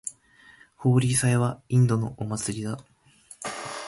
ホーリー祭はインドのお祭りだ。